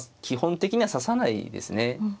基本的には指さないですね。